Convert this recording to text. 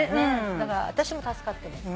だから私も助かってます。